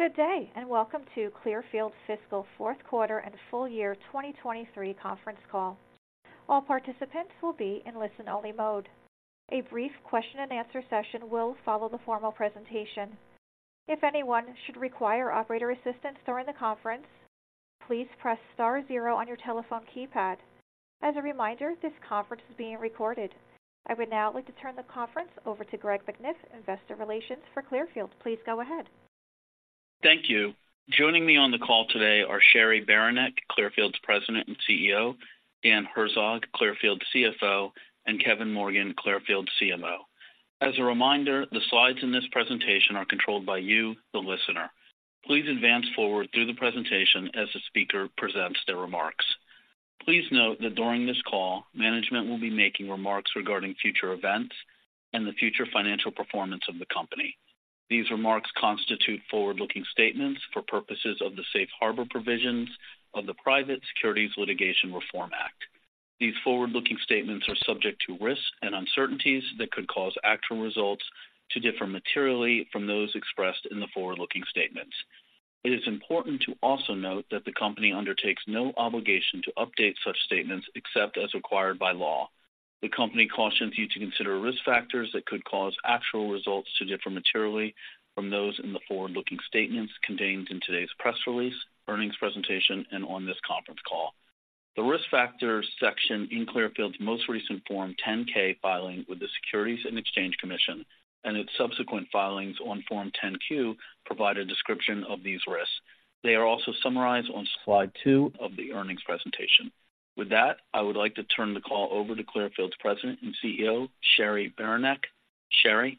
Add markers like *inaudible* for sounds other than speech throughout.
Good day, and welcome to Clearfield's fiscal fourth quarter and full year 2023 conference call. All participants will be in listen-only mode. A brief question and answer session will follow the formal presentation. If anyone should require operator assistance during the conference, please press star zero on your telephone keypad. As a reminder, this conference is being recorded. I would now like to turn the conference over to Greg McNiff, Investor Relations for Clearfield. Please go ahead. Thank you. Joining me on the call today are Cheri Beranek, Clearfield's President and CEO, Dan Herzog, Clearfield CFO, and Kevin Morgan, Clearfield CMO. As a reminder, the slides in this presentation are controlled by you, the listener. Please advance forward through the presentation as the speaker presents their remarks. Please note that during this call, management will be making remarks regarding future events and the future financial performance of the company. These remarks constitute forward-looking statements for purposes of the safe harbor provisions of the Private Securities Litigation Reform Act. These forward-looking statements are subject to risks and uncertainties that could cause actual results to differ materially from those expressed in the forward-looking statements. It is important to also note that the company undertakes no obligation to update such statements except as required by law. The company cautions you to consider risk factors that could cause actual results to differ materially from those in the forward-looking statements contained in today's press release, earnings presentation, and on this conference call. The Risk Factors section in Clearfield's most recent Form 10-K filing with the Securities and Exchange Commission and its subsequent filings on Form 10-Q provide a description of these risks. They are also summarized on slide two of the earnings presentation. With that, I would like to turn the call over to Clearfield's President and CEO, Cheri Beranek. Cheri?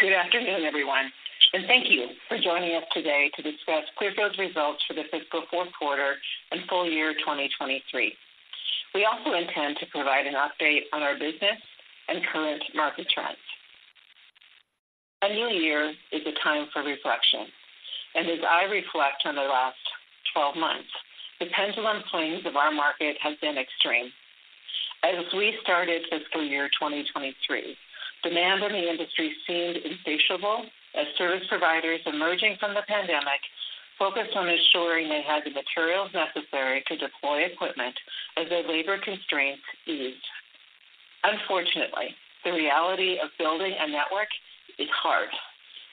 Good afternoon, everyone, and thank you for joining us today to discuss Clearfield's results for the fiscal fourth quarter and full year 2023. We also intend to provide an update on our business and current market trends. A new year is a time for reflection, and as I reflect on the last 12 months, the pendulum swings of our market has been extreme. As we started fiscal year 2023, demand on the industry seemed insatiable as service providers emerging from the pandemic focused on ensuring they had the materials necessary to deploy equipment as their labor constraints eased. Unfortunately, the reality of building a network is hard,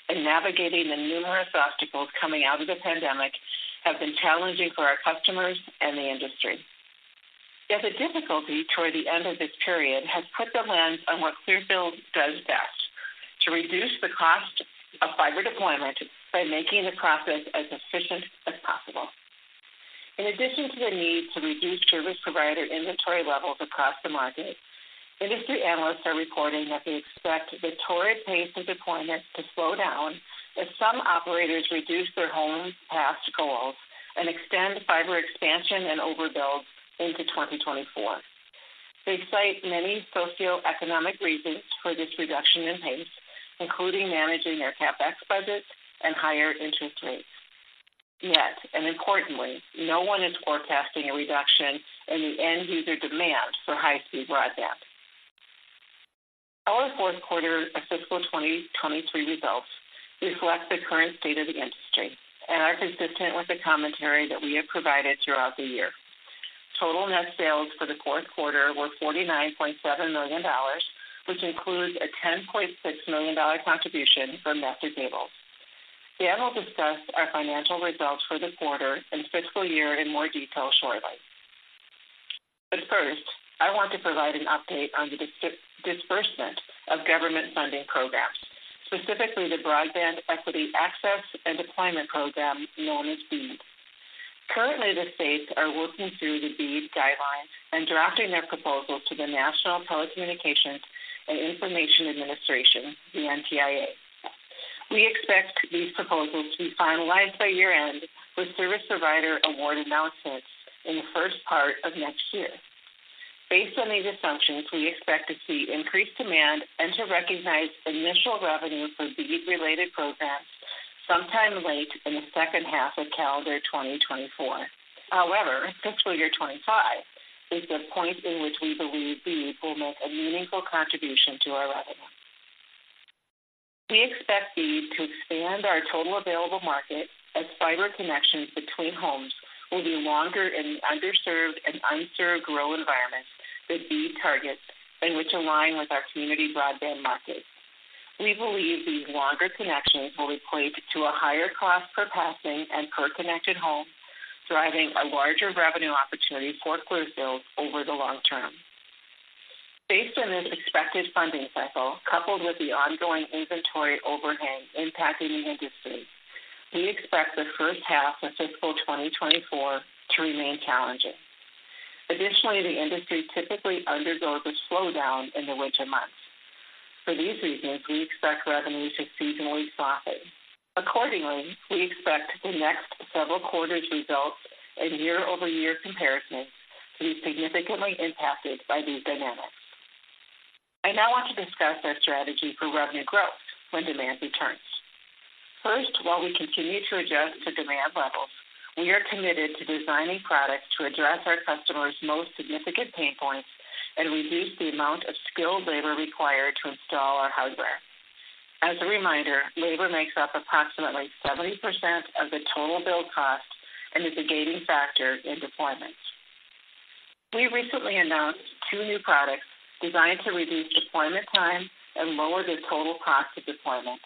and navigating the numerous obstacles coming out of the pandemic have been challenging for our customers and the industry. Yet the difficulty toward the end of this period has put the lens on what Clearfield does best, to reduce the cost of fiber deployment by making the process as efficient as possible. In addition to the need to reduce service provider inventory levels across the market, industry analysts are reporting that they expect the torrid pace of deployment to slow down as some operators reduce their homes passed goals and extend fiber expansion and overbuild into 2024. They cite many socioeconomic reasons for this reduction in pace, including managing their CapEx budgets and higher interest rates. Yet, and importantly, no one is forecasting a reduction in the end user demand for high-speed broadband. Our fourth quarter of fiscal 2023 results reflect the current state of the industry and are consistent with the commentary that we have provided throughout the year. Total net sales for the fourth quarter were $49.7 million, which includes a $10.6 million contribution from Nestor Cables. Dan will discuss our financial results for the quarter and fiscal year in more detail shortly. But first, I want to provide an update on the disbursement of government funding programs, specifically the Broadband Equity Access and Deployment program, known as BEAD. Currently, the states are working through the BEAD guidelines and drafting their proposals to the National Telecommunications and Information Administration, the NTIA. We expect these proposals to be finalized by year-end, with service provider award announcements in the first part of next year. Based on these assumptions, we expect to see increased demand and to recognize initial revenue for BEAD-related programs sometime late in the second half of calendar 2024. However, fiscal year 25 is the point in which we believe BEAD will make a meaningful contribution to our revenue. We expect BEAD to expand our total available market, as fiber connections between homes will be longer in the underserved and unserved growth environments that BEAD targets and which align with our Community Broadband markets. We believe these longer connections will equate to a higher cost per passing and per connected home, driving a larger revenue opportunity for Clearfield over the long term. Based on this expected funding cycle, coupled with the ongoing inventory overhang impacting the industry, we expect the first half of fiscal 2024 to remain challenging. Additionally, the industry typically undergoes a slowdown in the winter months. For these reasons, we expect revenues to seasonally soften. Accordingly, we expect the next several quarters' results and year-over-year comparisons to be significantly impacted by these dynamics. I now want to discuss our strategy for revenue growth when demand returns. First, while we continue to adjust to demand levels, we are committed to designing products to address our customers' most significant pain points and reduce the amount of skilled labor required to install our hardware. As a reminder, labor makes up approximately 70% of the total bill cost and is a gating factor in deployment. We recently announced two new products designed to reduce deployment time and lower the total cost of deployment.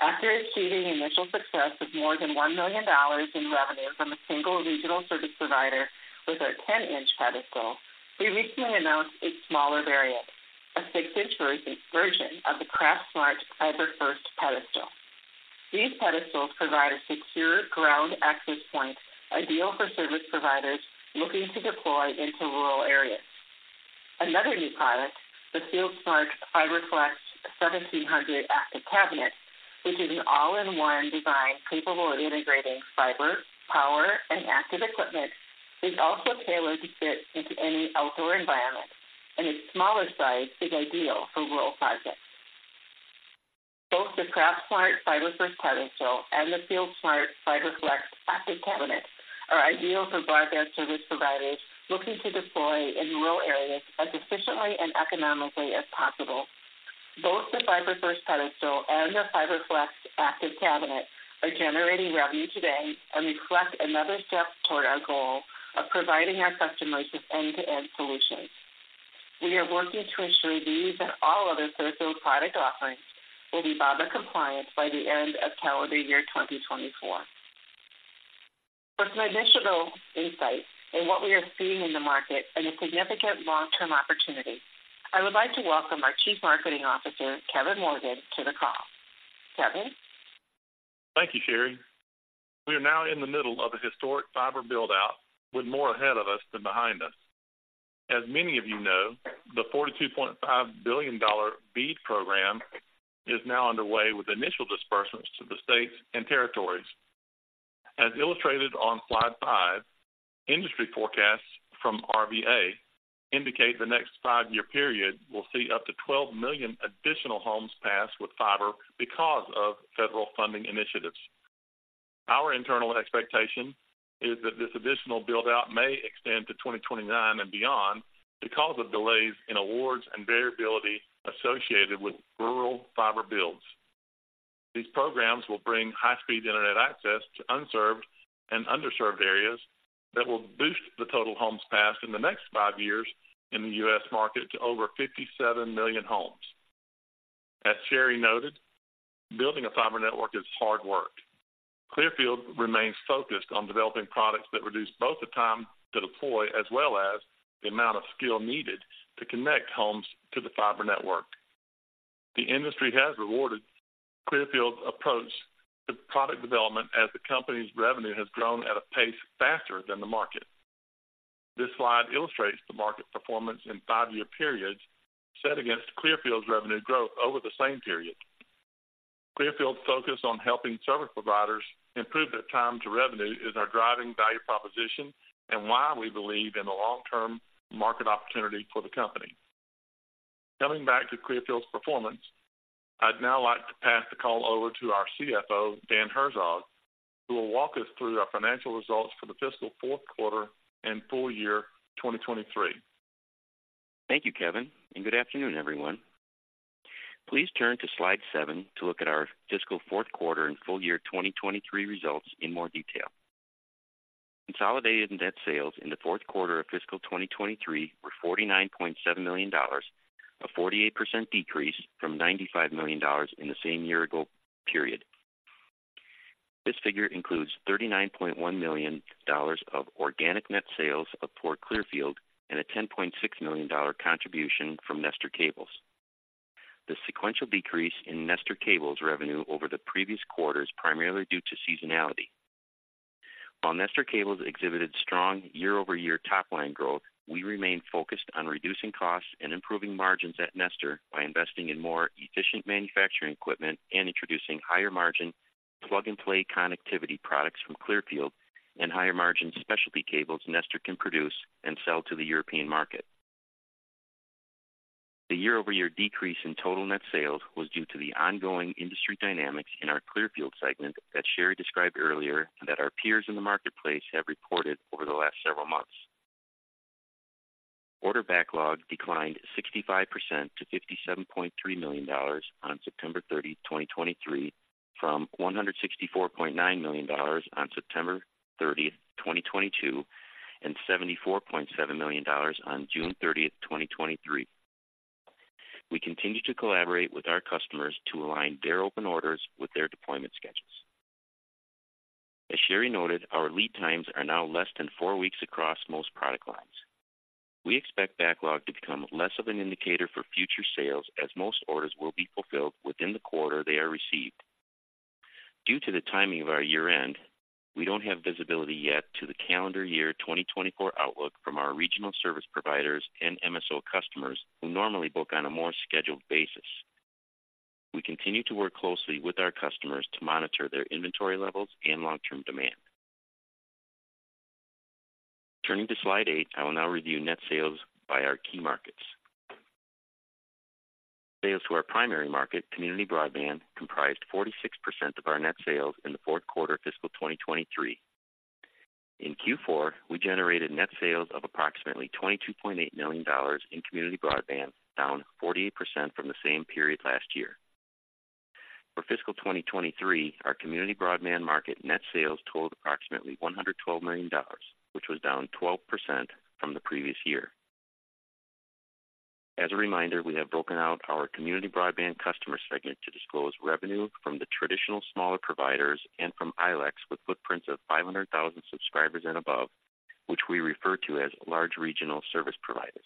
After achieving initial success of more than $1 million in revenue from a single regional service provider with our 10-inch pedestal, we recently announced a smaller variant, a six-inch version of the CraftSmart FiberFirst Pedestal. These pedestals provide a secure ground access point, ideal for service providers looking to deploy into rural areas. Another new product, the FieldSmart FiberFlex 1700 Active Cabinet, which is an all-in-one design capable of integrating fiber, power, and active equipment, is also tailored to fit into any outdoor environment, and its smaller size is ideal for rural projects. Both the CraftSmart FiberFirst Pedestal and the FieldSmart FiberFlex Active Cabinet are ideal for broadband service providers looking to deploy in rural areas as efficiently and economically as possible. Both the FiberFirst Pedestal and the FiberFlex Active Cabinet are generating revenue today and reflect another step toward our goal of providing our customers with end-to-end solutions. We are working to ensure these and all other Clearfield product offerings will be BEAD compliant by the end of calendar year 2024. For some additional insight in what we are seeing in the market and a significant long-term opportunity, I would like to welcome our Chief Marketing Officer, Kevin Morgan, to the call. Kevin? Thank you, Cheri. We are now in the middle of a historic fiber build-out, with more ahead of us than behind us. As many of you know, the $42.5 billion BEAD program is now underway, with initial disbursements to the states and territories. As illustrated on slide five, industry forecasts from RVA indicate the next five-year period will see up to 12 million additional homes passed with fiber because of federal funding initiatives. Our internal expectation is that this additional build-out may extend to 2029 and beyond because of delays in awards and variability associated with rural fiber builds. These programs will bring high-speed internet access to unserved and underserved areas that will boost the total homes passed in the next five years in the U.S. market to over 57 million homes. As Cheri noted, building a fiber network is hard work. Clearfield remains focused on developing products that reduce both the time to deploy as well as the amount of skill needed to connect homes to the fiber network. The industry has rewarded Clearfield's approach to product development, as the company's revenue has grown at a pace faster than the market. This slide illustrates the market performance in five-year periods set against Clearfield's revenue growth over the same period. Clearfield's focus on helping service providers improve their time to revenue is our driving value proposition and why we believe in the long-term market opportunity for the company. Coming back to Clearfield's performance, I'd now like to pass the call over to our CFO, Dan Herzog, who will walk us through our financial results for the fiscal fourth quarter and full year 2023. Thank you, Kevin, and good afternoon, everyone. Please turn to slide sevem to look at our fiscal fourth quarter and full year 2023 results in more detail. Consolidated net sales in the fourth quarter of fiscal 2023 were $49.7 million, a 48% decrease from $95 million in the same year ago period. This figure includes $39.1 million of organic net sales for pure Clearfield and a $10.6 million contribution from Nestor Cables. The sequential decrease in Nestor Cables revenue over the previous quarter is primarily due to seasonality. While Nestor Cables exhibited strong year-over-year top-line growth, we remain focused on reducing costs and improving margins at Nestor by investing in more efficient manufacturing equipment and introducing higher-margin plug-and-play connectivity products from Clearfield and higher-margin specialty cables Nestor can produce and sell to the European market. The year-over-year decrease in total net sales was due to the ongoing industry dynamics in our Clearfield segment that Cheri described earlier and that our peers in the marketplace have reported over the last several months. Order backlog declined 65% to $57.3 million on September 30, 2023, from $164.9 million on September 30, 2022, and $74.7 million on June 30, 2023. We continue to collaborate with our customers to align their open orders with their deployment schedules. As Cheri noted, our lead times are now less than four weeks across most product lines. We expect backlog to become less of an indicator for future sales, as most orders will be fulfilled within the quarter they are received. Due to the timing of our year-end, we don't have visibility yet to the calendar year 2024 outlook from our regional service providers and MSO customers, who normally book on a more scheduled basis. We continue to work closely with our customers to monitor their inventory levels and long-term demand. Turning to slide eight, I will now review net sales by our key markets. Sales to our primary market, Community Broadband, comprised 46% of our net sales in the fourth quarter of fiscal 2023. In Q4, we generated net sales of approximately $22.8 million in Community Broadband, down 48% from the same period last year. For fiscal 2023, our Community Broadband market net sales totaled approximately $112 million, which was down 12% from the previous year. As a reminder, we have broken out our Community Broadband customer segment to disclose revenue from the traditional smaller providers and from ILEC, with footprints of 500,000 subscribers and above, which we refer to as large regional service providers.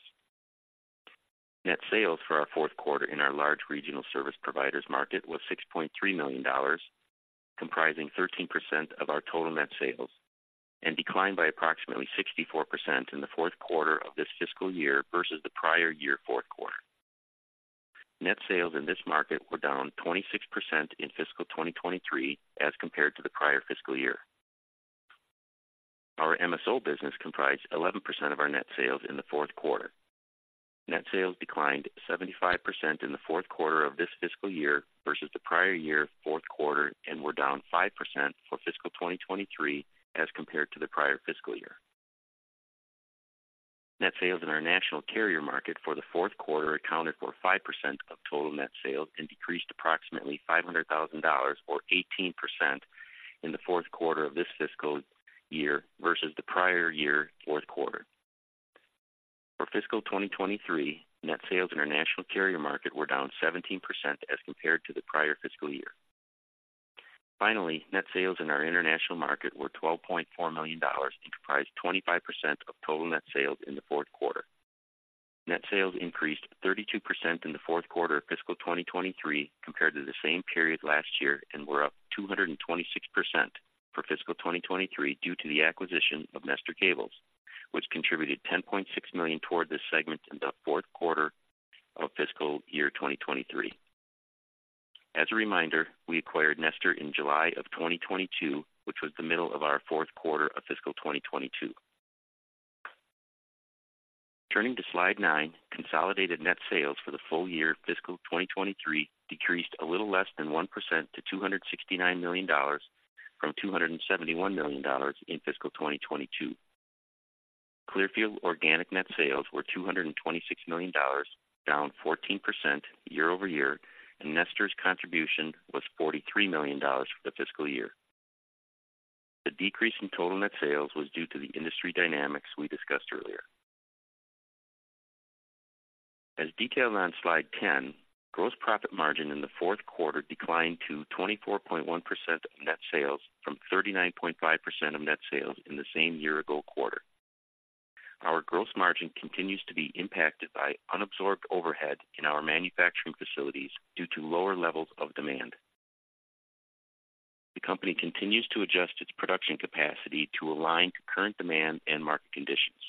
Net sales for our fourth quarter in our large regional service providers market was $6.3 million, comprising 13% of our total net sales, and declined by approximately 64% in the fourth quarter of this fiscal year versus the prior year fourth quarter. Net sales in this market were down 26% in fiscal 2023 as compared to the prior fiscal year. Our MSO business comprised 11% of our net sales in the fourth quarter. Net sales declined 75% in the fourth quarter of this fiscal year versus the prior year fourth quarter, and were down 5% for fiscal 2023 as compared to the prior fiscal year. Net sales in our national carrier market for the fourth quarter accounted for 5% of total net sales and decreased approximately $500,000 or 18% in the fourth quarter of this fiscal year versus the prior year fourth quarter. For fiscal 2023, net sales in our national carrier market were down 17% as compared to the prior fiscal year. Finally, net sales in our international market were $12.4 million and comprised 25% of total net sales in the fourth quarter. Net sales increased 32% in the fourth quarter of fiscal 2023 compared to the same period last year, and were up 226% for fiscal 2023 due to the acquisition of Nestor Cables, which contributed $10.6 million toward this segment in the fourth quarter of fiscal year 2023. As a reminder, we acquired Nestor in July of 2022, which was the middle of our fourth quarter of fiscal 2022. Turning to Slide 9, consolidated net sales for the full year of fiscal 2023 decreased a little less than 1% to $269 million from $271 million in fiscal 2022. Clearfield organic net sales were $226 million, down 14% year-over-year, and Nestor's contribution was $43 million for the fiscal year. The decrease in total net sales was due to the industry dynamics we discussed earlier. As detailed on Slide 10, gross profit margin in the fourth quarter declined to 24.1% of net sales from 39.5% of net sales in the same year ago quarter. Our gross margin continues to be impacted by unabsorbed overhead in our manufacturing facilities due to lower levels of demand. The company continues to adjust its production capacity to align to current demand and market conditions.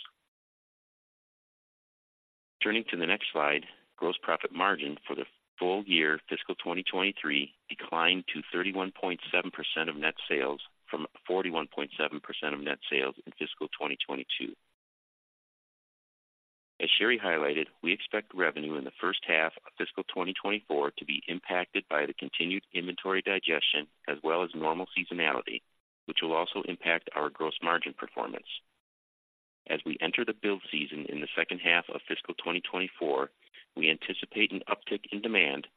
Turning to the next slide, gross profit margin for the full year, fiscal 2023, declined to 31.7% of net sales from 41.7% of net sales in fiscal 2022. As Cheri highlighted, we expect revenue in the first half of fiscal 2024 to be impacted by the continued inventory digestion as well as normal seasonality, which will also impact our gross margin performance. As we enter the build season in the second half of fiscal 2024, we anticipate an uptick in demand,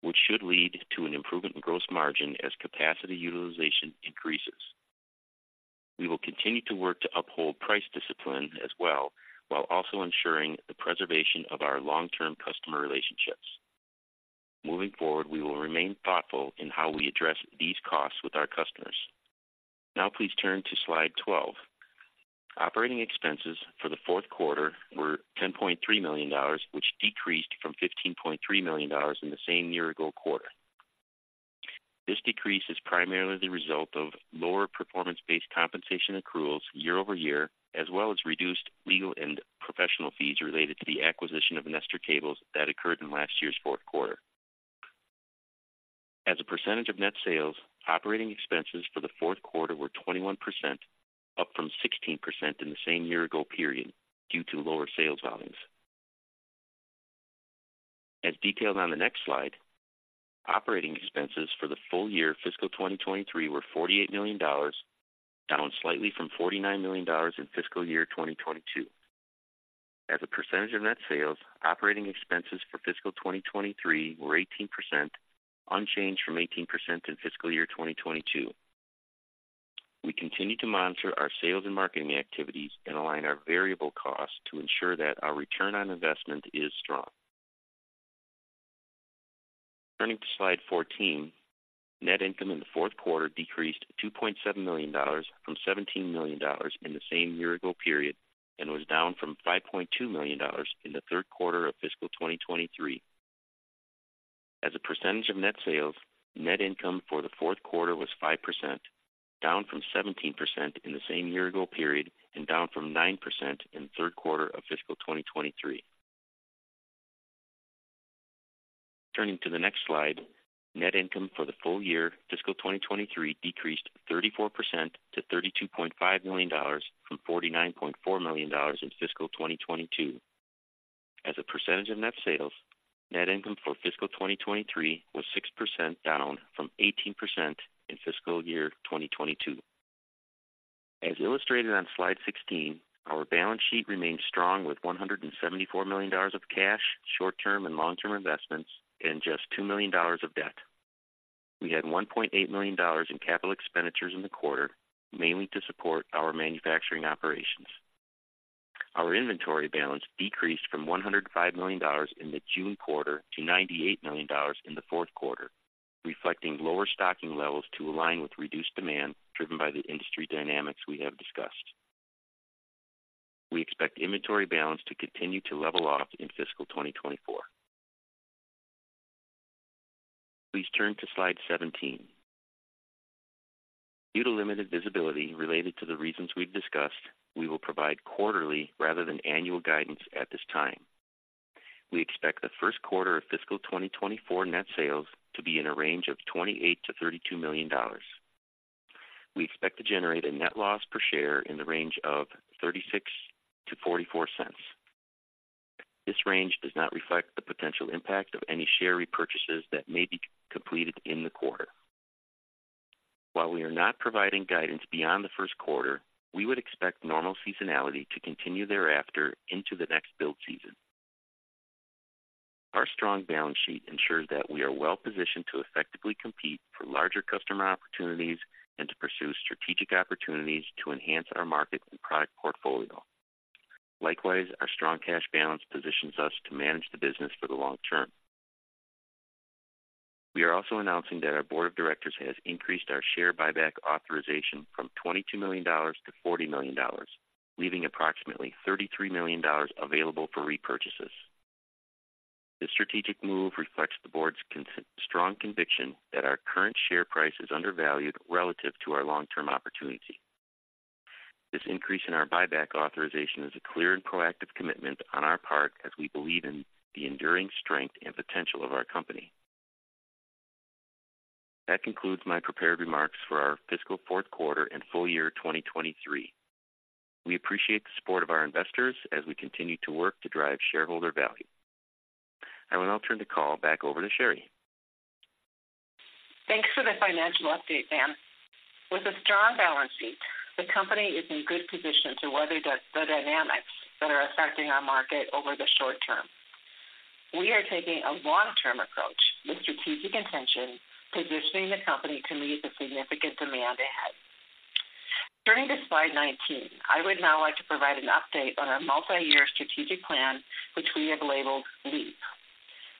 which should lead to an improvement in gross margin as capacity utilization increases. We will continue to work to uphold price discipline as well, while also ensuring the preservation of our long-term customer relationships. Moving forward, we will remain thoughtful in how we address these costs with our customers. Now, please turn to Slide 12. Operating expenses for the fourth quarter were $10.3 million, which decreased from $15.3 million in the same year-ago quarter. This decrease is primarily the result of lower performance-based compensation accruals year-over-year, as well as reduced legal and professional fees related to the acquisition of Nestor Cables that occurred in last year's fourth quarter. As a percentage of net sales, operating expenses for the fourth quarter were 21%, up from 16% in the same year-ago period due to lower sales volumes. As detailed on the next slide, operating expenses for the full year fiscal 2023 were $48 million, down slightly from $49 million in fiscal year 2022. As a percentage of net sales, operating expenses for fiscal 2023 were 18%, unchanged from 18% in fiscal year 2022. We continue to monitor our sales and marketing activities and align our variable costs to ensure that our return on investment is strong. Turning to Slide 14, net income in the fourth quarter decreased $2.7 million from $17 million in the same year-ago period, and was down from $5.2 million in the third quarter of fiscal 2023. As a percentage of net sales, net income for the fourth quarter was 5%, down from 17% in the same year-ago period and down from 9% in the third quarter of fiscal 2023. Turning to the next slide. Net income for the full year, fiscal 2023, decreased 34% to $32.5 million from $49.4 million in fiscal 2022. As a percentage of net sales, net income for fiscal 2023 was 6%, down from 18% in fiscal year 2022. As illustrated on slide 16, our balance sheet remains strong with $174 million of cash, short-term and long-term investments, and just $2 million of debt. We had $1.8 million in capital expenditures in the quarter, mainly to support our manufacturing operations. Our inventory balance decreased from $105 million in the June quarter to $98 million in the fourth quarter, reflecting lower stocking levels to align with reduced demand, driven by the industry dynamics we have discussed. We expect inventory balance to continue to level off in fiscal 2024. Please turn to slide 17. Due to limited visibility related to the reasons we've discussed, we will provide quarterly rather than annual guidance at this time. We expect the first quarter of fiscal 2024 net sales to be in a range of $28 million-$32 million. We expect to generate a net loss per share in the range of $0.36-$0.44. This range does not reflect the potential impact of any share repurchases that may be completed in the quarter. While we are not providing guidance beyond the first quarter, we would expect normal seasonality to continue thereafter into the next build season. Our strong balance sheet ensures that we are well positioned to effectively compete for larger customer opportunities and to pursue strategic opportunities to enhance our market and product portfolio. Likewise, our strong cash balance positions us to manage the business for the long term. We are also announcing that our board of directors has increased our share buyback authorization from $22 million to $40 million, leaving approximately $33 million available for repurchases. This strategic move reflects the board's strong conviction that our current share price is undervalued relative to our long-term opportunity. This increase in our buyback authorization is a clear and proactive commitment on our part as we believe in the enduring strength and potential of our company. That concludes my prepared remarks for our fiscal fourth quarter and full year 2023. We appreciate the support of our investors as we continue to work to drive shareholder value. I will now turn the call back over to Cheri. Thanks for the financial update, Dan. With a strong balance sheet, the company is in good position to weather the dynamics that are affecting our market over the short term. We are taking a long-term approach with strategic intention, positioning the company to meet the significant demand ahead. Turning to slide 19, I would now like to provide an update on our multi-year strategic plan, which we have labeled LEAP.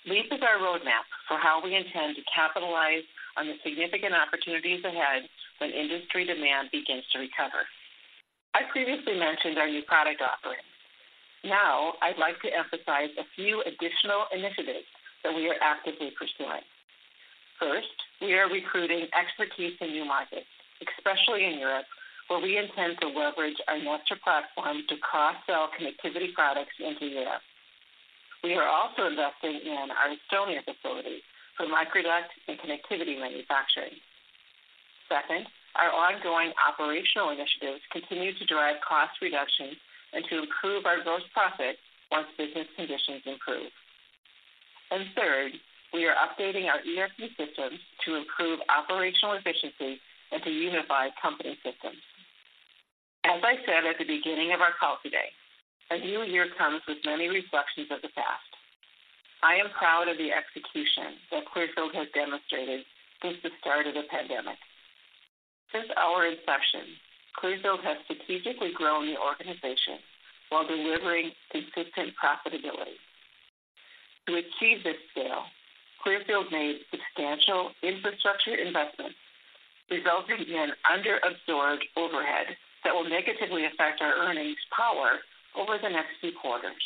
LEAP is our roadmap for how we intend to capitalize on the significant opportunities ahead when industry demand begins to recover. I previously mentioned our new product offerings. Now, I'd like to emphasize a few additional initiatives that we are actively pursuing. First, we are recruiting expertise in new markets, especially in Europe, where we intend to leverage our Nestor platform to cross-sell connectivity products into Europe. We are also investing in our Estonia facility for microduct and connectivity manufacturing. Second, our ongoing operational initiatives continue to drive cost reductions and to improve our gross profit once business conditions improve. Third, we are updating our ERP systems to improve operational efficiency and to unify company systems. As I said at the beginning of our call today, a new year comes with many reflections of the past. I am proud of the execution that Clearfield has demonstrated since the start of the pandemic. Since our inception, Clearfield has strategically grown the organization while delivering consistent profitability. To achieve this scale, Clearfield made substantial infrastructure investments, resulting in an under-absorbed overhead that will negatively affect our earnings power over the next few quarters.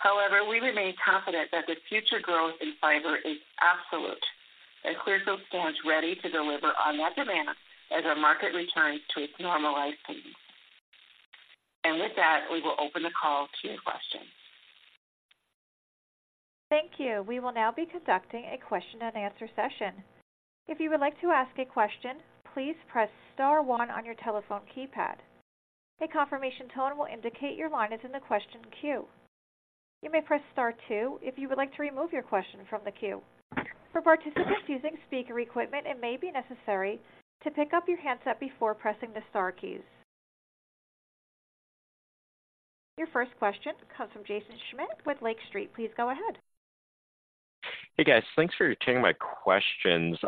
However, we remain confident that the future growth in fiber is absolute, and Clearfield stands ready to deliver on that demand as our market returns to its normalized pace. With that, we will open the call to your questions. Thank you. We will now be conducting a question and answer session. If you would like to ask a question, please press star one on your telephone keypad. A confirmation tone will indicate your line is in the question queue. You may press star two if you would like to remove your question from the queue. For participants using speaker equipment, it may be necessary to pick up your handset before pressing the star keys. Your first question comes from Jaeson Schmidt with Lake Street. Please go ahead. Hey, guys. Thanks for taking my questions.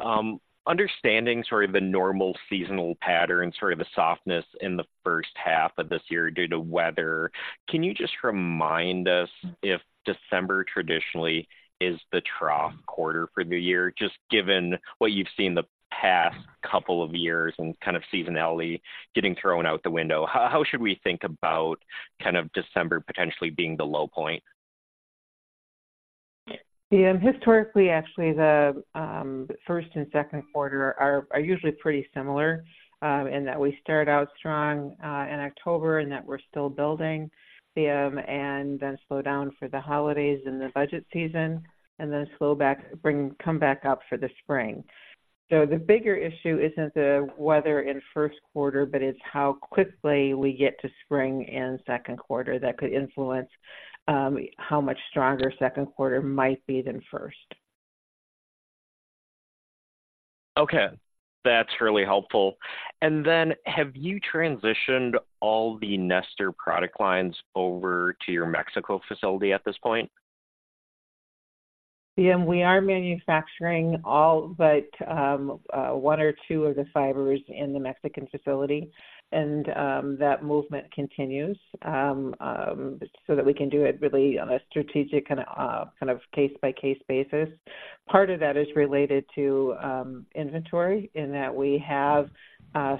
Understanding sort of the normal seasonal pattern, sort of the softness in the first half of this year due to weather, can you just remind us if December traditionally is the trough quarter for the year? Just given what you've seen the past couple of years and kind of seasonality getting thrown out the window, how should we think about kind of December potentially being the low point? Yeah, historically, actually, the first and second quarter are usually pretty similar in that we start out strong in October and that we're still building and then slow down for the holidays and the budget season, and then slow back, come back up for the spring. So the bigger issue isn't the weather in first quarter, but it's how quickly we get to spring and second quarter that could influence how much stronger second quarter might be than first. Okay, that's really helpful. And then have you transitioned all the Nestor product lines over to your Mexico facility at this point? Yeah, we are manufacturing all but one or two of the fibers in the Mexican facility, and that movement continues. So that we can do it really on a strategic and kind of case-by-case basis. Part of that is related to inventory, in that we have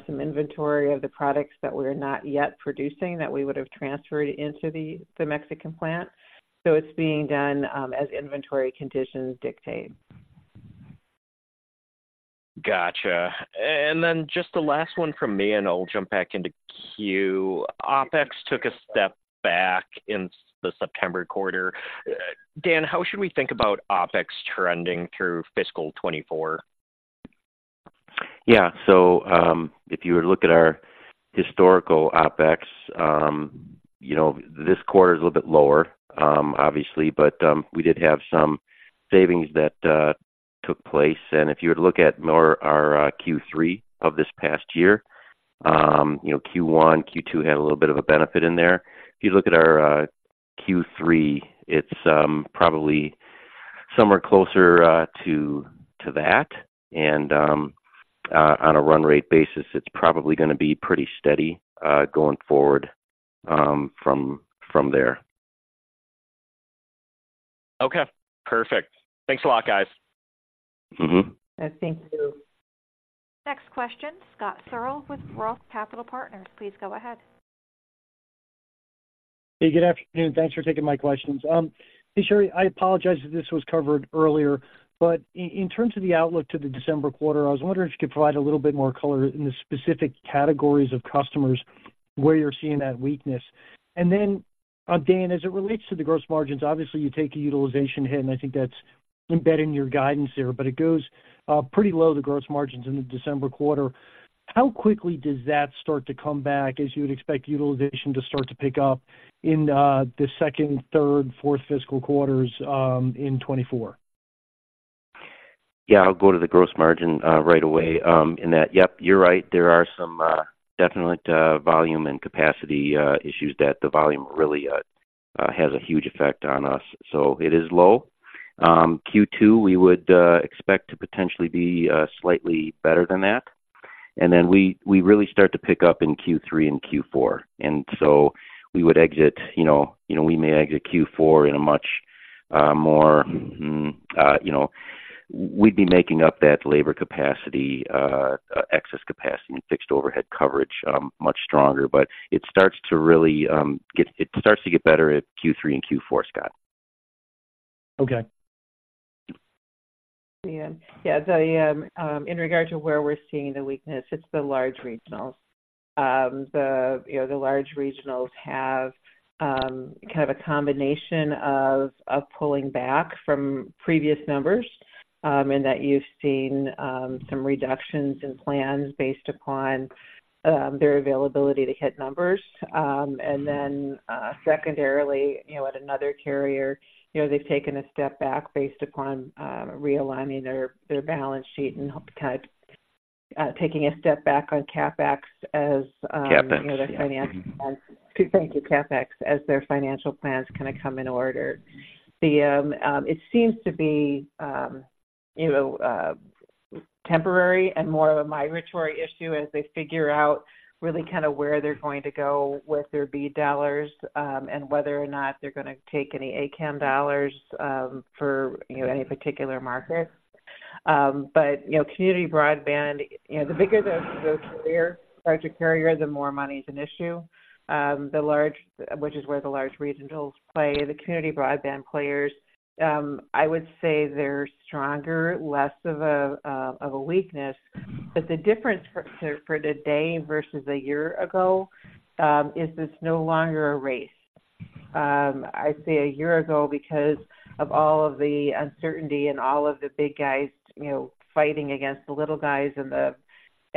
some inventory of the products that we're not yet producing that we would have transferred into the Mexican plant. So it's being done as inventory conditions dictate. Gotcha. And then just the last one from me, and I'll jump back into queue. OpEx took a step back in the September quarter. Dan, how should we think about OpEx trending through fiscal 2024? Yeah. So, if you were to look at our historical OpEx, you know, this quarter is a little bit lower, obviously, but we did have some savings that took place. And if you were to look at our Q3 of this past year, you know, Q1, Q2 had a little bit of a benefit in there. If you look at our Q3, it's probably somewhere closer to that. And on a run rate basis, it's probably gonna be pretty steady going forward from there. Okay, perfect. Thanks a lot, guys. Mm-hmm. Thank you. Next question, Scott Searle with Roth Capital Partners. Please go ahead. Hey, good afternoon. Thanks for taking my questions. Hey, Cheri, I apologize if this was covered earlier, but in terms of the outlook to the December quarter, I was wondering if you could provide a little bit more color in the specific categories of customers where you're seeing that weakness. And then, Dan, as it relates to the gross margins, obviously you take a utilization hit, and I think that's embedded in your guidance there, but it goes pretty low, the gross margins in the December quarter. How quickly does that start to come back as you would expect utilization to start to pick up in the second, third, fourth fiscal quarters in 2024? Yeah, I'll go to the gross margin right away in that. Yep, you're right. There are some definite volume and capacity issues that the volume really has a huge effect on us, so it is low. Q2, we would expect to potentially be slightly better than that. And then we really start to pick up in Q3 and Q4, and so we would exit, you know- you know, we may exit Q4 in a much more, you know, we'd be making up that labor capacity excess capacity and fixed overhead coverage much stronger. But it starts to really get-- it starts to get better at Q3 and Q4, Scott. Okay. Yeah. Yeah, in regards to where we're seeing the weakness, it's the large regionals. You know, the large regionals have kind of a combination of pulling back from previous numbers, and that you've seen some reductions in plans based upon their availability to hit numbers. And then, secondarily, you know, at another carrier, you know, they've taken a step back based upon realigning their balance sheet and type taking a step back on CapEx as- CapEx. Their financial. Thank you, CapEx, as their financial plans kinda come in order. It seems to be, you know, temporary and more of a migratory issue as they figure out really kind of where they're going to go with their BEAD dollars, and whether or not they're gonna take any ACAM dollars, for, you know, any particular market. But, you know, Community Broadband, you know, the bigger the, the carrier, larger carrier, the more money is an issue. The large, which is where the large regionals play. The Community Broadband players, I would say they're stronger, less of a, of a weakness. But the difference for today versus a year ago, is it's no longer a race. I'd say a year ago, because of all of the uncertainty and all of the big guys, you know, fighting against the little guys and the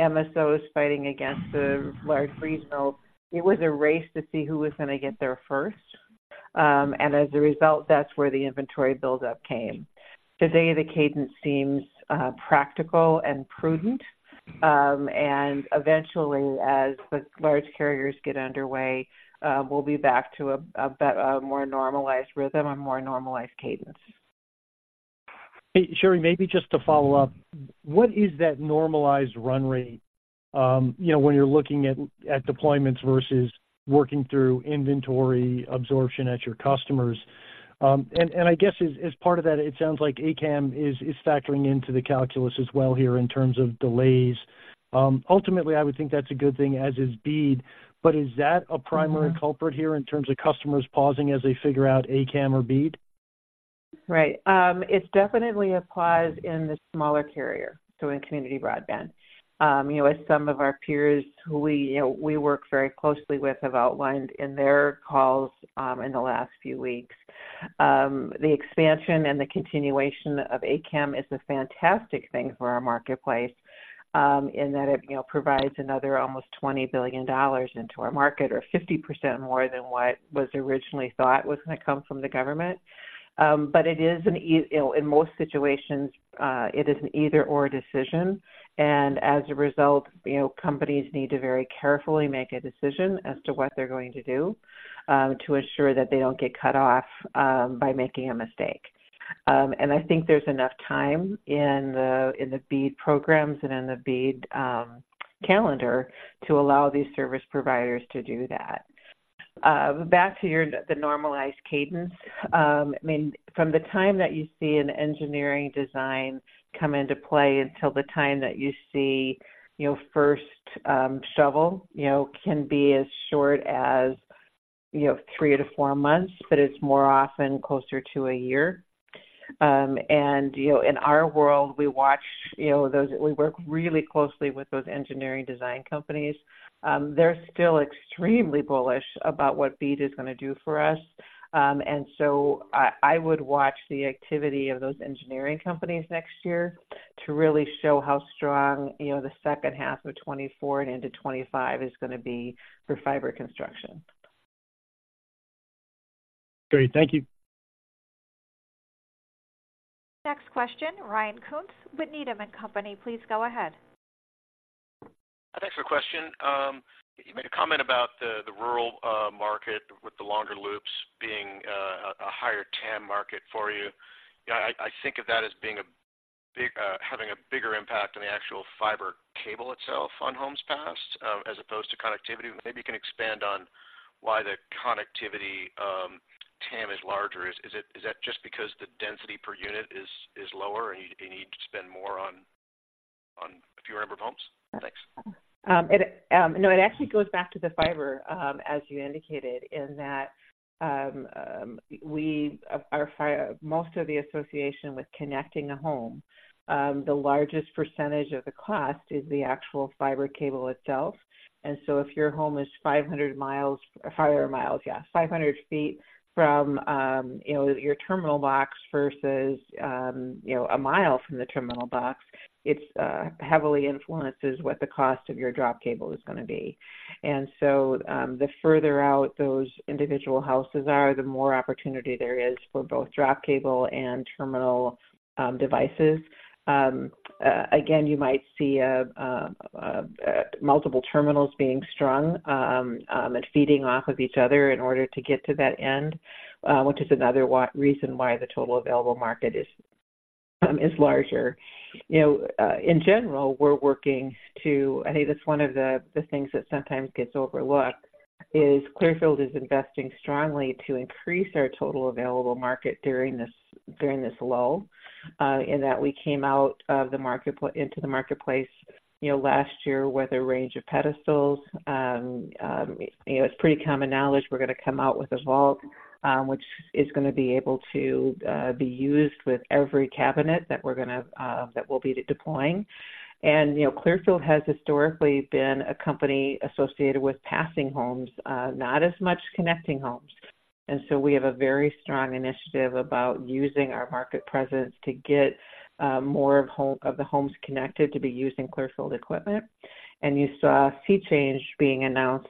MSOs fighting against the large regionals, it was a race to see who was gonna get there first. And as a result, that's where the inventory buildup came. Today, the cadence seems practical and prudent, and eventually, as the large carriers get underway, we'll be back to a more normalized rhythm, a more normalized cadence. Hey, Cheri, maybe just to follow up, what is that normalized run rate, you know, when you're looking at deployments versus working through inventory absorption at your customers? And I guess as part of that, it sounds like ACAM is factoring into the calculus as well here in terms of delays. Ultimately, I would think that's a good thing, as is BEAD, but is that a primary culprit here in terms of customers pausing as they figure out ACAM or BEAD? Right. It definitely applies in the smaller carrier, so in Community Broadband. You know, as some of our peers who we, you know, we work very closely with, have outlined in their calls, in the last few weeks. The expansion and the continuation of ACAM is a fantastic thing for our marketplace, in that it, you know, provides another almost $20 billion into our market, or 50% more than what was originally thought was going to come from the government. But you know, in most situations, it is an either/or decision. And as a result, you know, companies need to very carefully make a decision as to what they're going to do, to ensure that they don't get cut off, by making a mistake. And I think there's enough time in the BEAD programs and in the BEAD calendar to allow these service providers to do that. Back to the normalized cadence. I mean, from the time that you see an engineering design come into play until the time that you see, you know, first shovel, you know, can be as short as, you know, three to four months, but it's more often closer to a year. And, you know, in our world, we watch, you know, those we work really closely with those engineering design companies. They're still extremely bullish about what BEAD is going to do for us. I would watch the activity of those engineering companies next year to really show how strong, you know, the second half of 2024 and into 2025 is going to be for fiber construction. Great. Thank you. Next question, Ryan Koontz with Needham & Company. Please go ahead. Thanks for the question. You made a comment about the rural market, with the longer loops being a higher TAM market for you. I think of that as having a bigger impact on the actual fiber cable itself, on homes passed, as opposed to connectivity. Maybe you can expand on why the connectivity TAM is larger. Is it just because the density per unit is lower, and you need to spend more on a fewer number of homes? Thanks. No, it actually goes back to the fiber, as you indicated, in that most of the association with connecting a home, the largest percentage of the cost is the actual fiber cable itself. And so if your home is 500 miles, fiber miles, yeah, 500 feet from, you know, your terminal box versus, you know, a mile from the terminal box, it heavily influences what the cost of your drop cable is going to be. And so, the further out those individual houses are, the more opportunity there is for both drop cable and terminal devices. Again, you might see multiple terminals being strung and feeding off of each other in order to get to that end, which is another reason why the total available market is larger. You know, in general, we're working to. I think that's one of the things that sometimes gets overlooked, is Clearfield is investing strongly to increase our total available market during this lull in that we came out into the marketplace, you know, last year with a range of pedestals. You know, it's pretty common knowledge we're going to come out with a vault, which is going to be able to be used with every cabinet that we'll be deploying. And, you know, Clearfield has historically been a company associated with passing homes, not as much connecting homes. And so we have a very strong initiative about using our market presence to get more of home, of the homes connected to be using Clearfield equipment. And you saw SeeChange being announced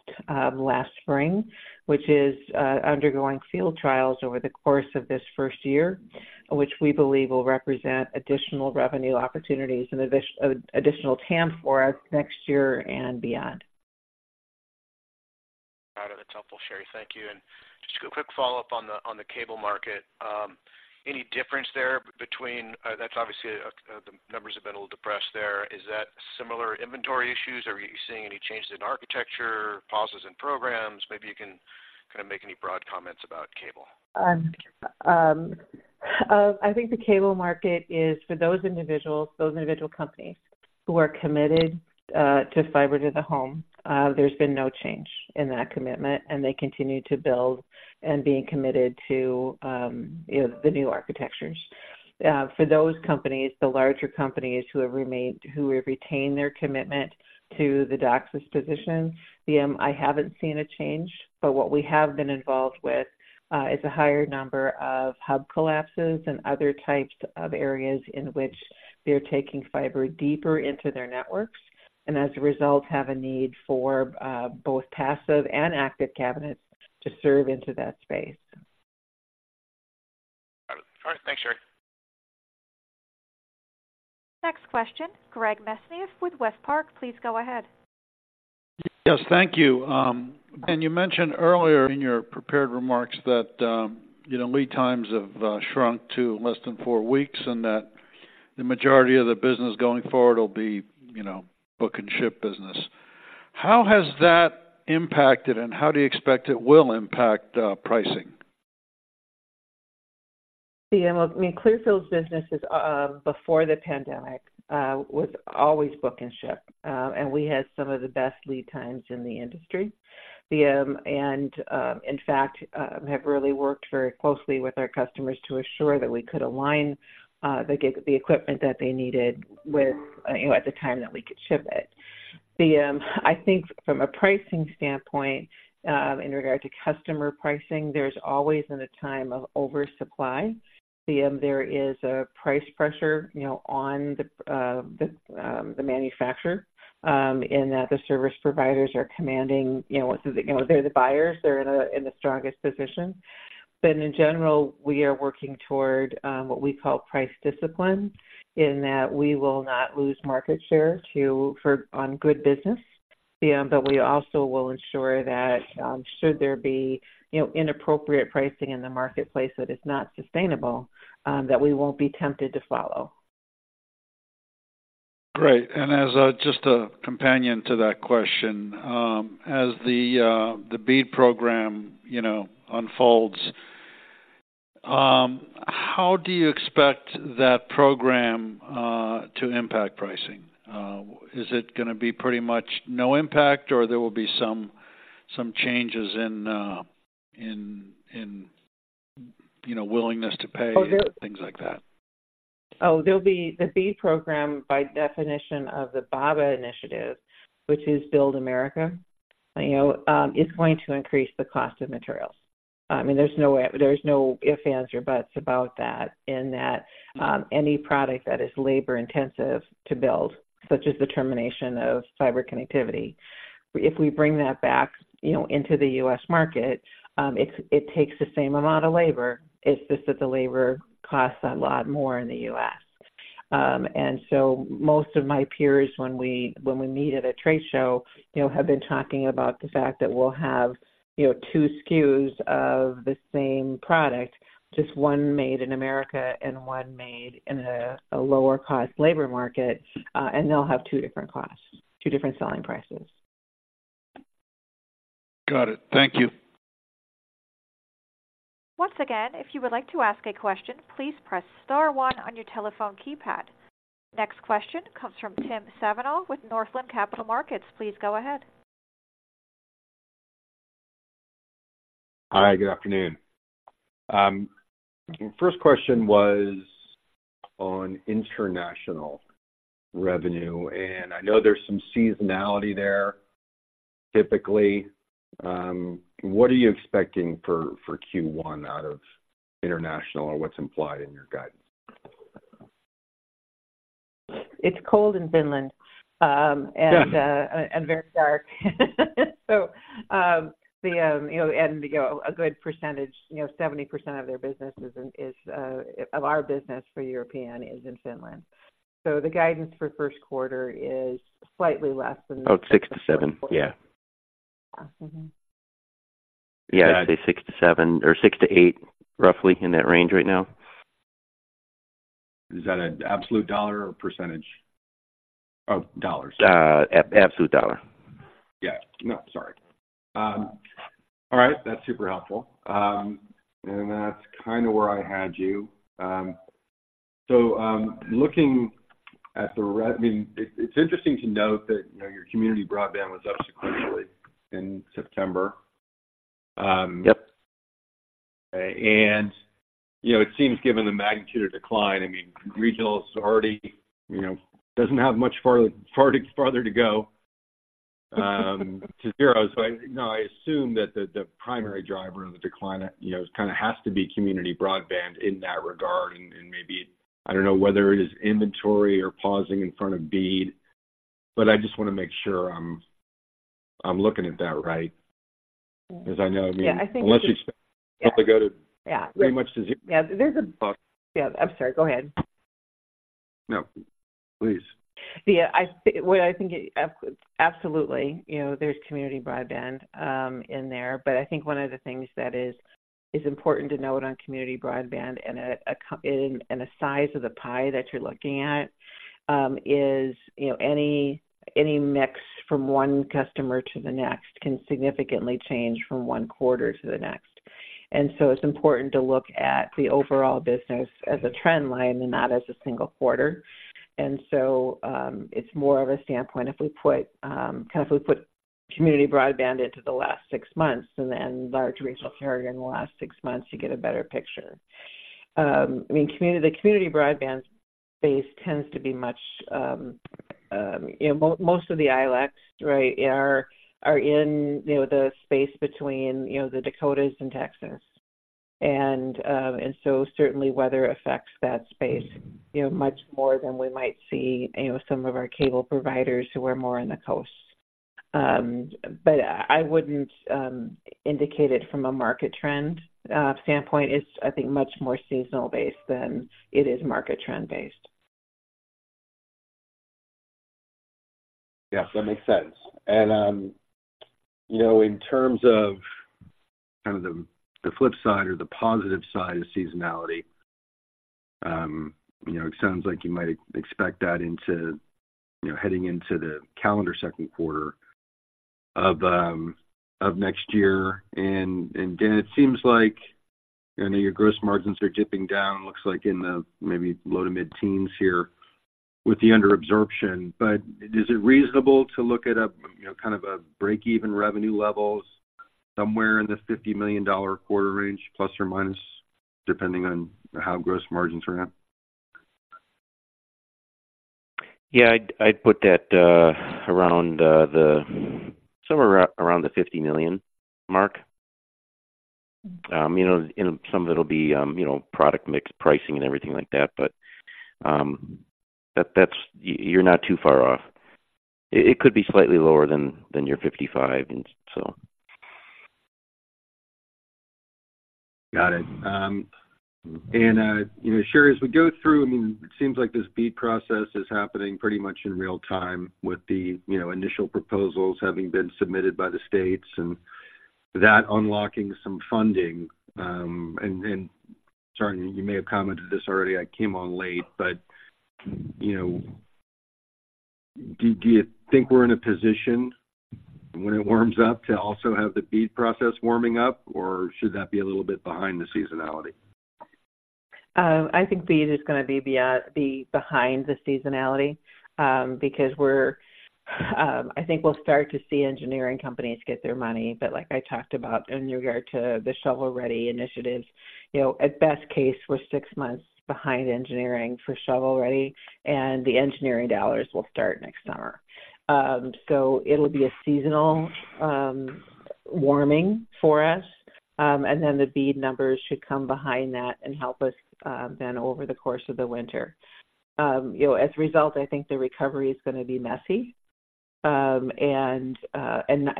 last spring, which is undergoing field trials over the course of this first year, which we believe will represent additional revenue opportunities and additional TAM for us next year and beyond. *inaudible* Cheri. Thank you. And just a quick follow-up on the cable market. Any difference there between, that's obviously the numbers have been a little depressed there. Is that similar inventory issues, or are you seeing any changes in architecture, pauses in programs? Maybe you can kind of make any broad comments about cable. I think the cable market is for those individuals, those individual companies who are committed to fiber to the home, there's been no change in that commitment, and they continue to build and being committed to, you know, the new architectures. For those companies, the larger companies who have remained, who have retained their commitment to the DOCSIS position, I haven't seen a change, but what we have been involved with is a higher number of hub collapses and other types of areas in which they're taking fiber deeper into their networks, and as a result, have a need for both passive and active cabinets to serve into that space. Got it. All right. Thanks, Cheri. Next question, Greg Mesniaeff with WestPark. Please go ahead. Yes, thank you. And you mentioned earlier in your prepared remarks that, you know, lead times have shrunk to less than four weeks and that the majority of the business going forward will be, you know, book and ship business. How has that impacted, and how do you expect it will impact, pricing? Yeah, well, I mean, Clearfield's businesses before the pandemic was always book and ship, and we had some of the best lead times in the industry. And in fact have really worked very closely with our customers to assure that we could align the equipment that they needed with, you know, at the time that we could ship it. I think from a pricing standpoint, in regard to customer pricing, there's always in a time of oversupply. There is a price pressure, you know, on the manufacturer, in that the service providers are commanding, you know, they're the buyers. They're in the strongest position. But in general, we are working toward what we call price discipline, in that we will not lose market share to, for, on good business. But we also will ensure that, should there be, you know, inappropriate pricing in the marketplace that is not sustainable, that we won't be tempted to follow. Great. And as just a companion to that question, as the BEAD program, you know, unfolds, how do you expect that program to impact pricing? Is it gonna be pretty much no impact, or there will be some changes in, you know, willingness to pay, things like that? Oh, there'll be the BEAD program by definition of the BABA initiative, which is Build America. You know, it's going to increase the cost of materials. I mean, there's no way—there's no if, ands, or buts about that, in that any product that is labor intensive to build, such as the termination of fiber connectivity, if we bring that back, you know, into the U.S. market, it, it takes the same amount of labor. It's just that the labor costs a lot more in the U.S. And so most of my peers, when we, when we meet at a trade show, you know, have been talking about the fact that we'll have, you know, two SKUs of the same product, just one made in America and one made in a lower-cost labor market, and they'll have two different costs, two different selling prices. Got it. Thank you. Once again, if you would like to ask a question, please press star one on your telephone keypad. Next question comes from Tim Savageaux with Northland Capital Markets. Please go ahead. Hi, good afternoon. First question was on international revenue, and I know there's some seasonality there. Typically, what are you expecting for, for Q1 out of international, or what's implied in your guidance? It's cold in Finland. Yeah. And, and very dark. So, you know, and, you know, a good percentage, you know, 70% of their business is in, is, of our business for European is in Finland. So the guidance for first quarter is slightly less than- About 6-7. Yeah. Yeah. Yeah, I'd say 6-7 or 6-8, roughly in that range right now. Is that an absolute dollar or percentage? Oh, dollars. Absolute dollar. Yeah. No, sorry. All right, that's super helpful. That's kind of where I had you. Looking at, I mean, it's interesting to note that, you know, your Community Broadband was up sequentially in September. Yep. And, you know, it seems given the magnitude of decline, I mean, regional is already, you know, doesn't have much farther to go to zero. So I, you know, I assume that the primary driver of the decline, you know, kind of has to be Community Broadband in that regard, and maybe I don't know whether it is inventory or pausing in front of BEAD, but I just want to make sure I'm looking at that right. Because I know, I mean- Yeah, I think- Unless you expect to go to- Yeah. Pretty much to zero. Yeah. There's a- But- Yeah. I'm sorry, go ahead. No, please. Yeah, I think, well, I think absolutely, you know, there's Community Broadband in there, but I think one of the things that is important to note on Community Broadband and the size of the pie that you're looking at, you know, any mix from one customer to the next can significantly change from one quarter to the next. And so it's important to look at the overall business as a trend line and not as a single quarter. And so, it's more of a standpoint if we put kind of Community Broadband into the last six months and then large regional carrier in the last six months, you get a better picture. I mean, the Community Broadband base tends to be much, you know, most of the ILECs, right, are in, you know, the space between, you know, the Dakotas and Texas. And so certainly weather affects that space, you know, much more than we might see, you know, some of our cable providers who are more on the coast. But I wouldn't indicate it from a market trend standpoint. It's, I think, much more seasonal based than it is market trend based. Yeah, that makes sense. And, you know, in terms of kind of the, the flip side or the positive side of seasonality, you know, it sounds like you might expect that into, you know, heading into the calendar second quarter of next year. And, and Dan, it seems like, I know your gross margins are dipping down, looks like in the maybe low- to mid-teens here with the under absorption, but is it reasonable to look at a, you know, kind of a break-even revenue levels somewhere in the $50 million quarter range, ±, depending on how gross margins are at? Yeah, I'd, I'd put that around the somewhere around around the $50 million mark. You know, and some of it'll be you know, product mix, pricing, and everything like that, but that, that's... You, you're not too far off. It, it could be slightly lower than than your $55, and so. Got it. And, you know, Cheri, as we go through, I mean, it seems like this bid process is happening pretty much in real time with the, you know, initial proposals having been submitted by the states and that unlocking some funding. And sorry, you may have commented this already. I came on late, but, you know, do you think we're in a position when it warms up to also have the bid process warming up, or should that be a little bit behind the seasonality? I think bid is gonna be behind the seasonality, because we're... I think we'll start to see engineering companies get their money. But like I talked about in regard to the shovel-ready initiatives, you know, at best case, we're six months behind engineering for shovel-ready, and the engineering dollars will start next summer. So it'll be a seasonal warming for us, and then the bid numbers should come behind that and help us, then over the course of the winter. You know, as a result, I think the recovery is gonna be messy, and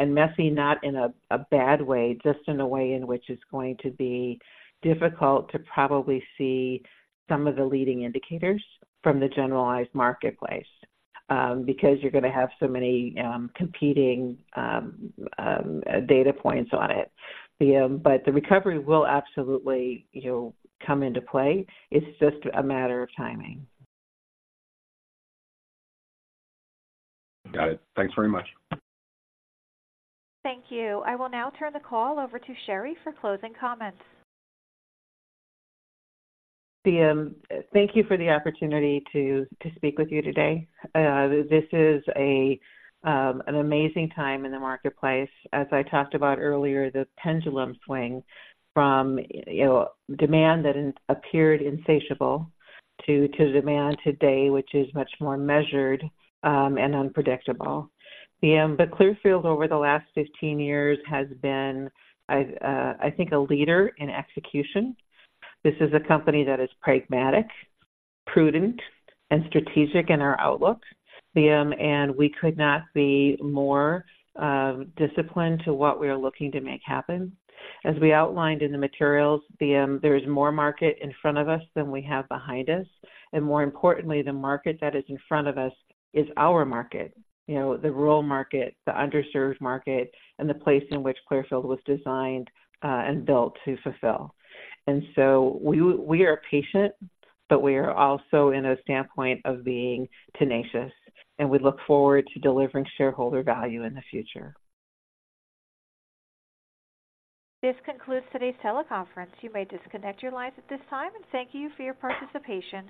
messy not in a bad way, just in a way in which it's going to be difficult to probably see some of the leading indicators from the generalized marketplace, because you're gonna have so many competing data points on it. But the recovery will absolutely, you know, come into play. It's just a matter of timing. Got it. Thanks very much. Thank you. I will now turn the call over to Cheri for closing comments. Thank you for the opportunity to, to speak with you today. This is an amazing time in the marketplace. As I talked about earlier, the pendulum swing from, you know, demand that appeared insatiable to, to demand today, which is much more measured and unpredictable. But Clearfield over the last 15 years has been, I've, I think, a leader in execution. This is a company that is pragmatic, prudent, and strategic in our outlook. And we could not be more disciplined to what we are looking to make happen. As we outlined in the materials, there is more market in front of us than we have behind us, and more importantly, the market that is in front of us is our market. You know, the rural market, the underserved market, and the place in which Clearfield was designed and built to fulfill. And so we, we are patient, but we are also in a standpoint of being tenacious, and we look forward to delivering shareholder value in the future. This concludes today's teleconference. You may disconnect your lines at this time, and thank you for your participation.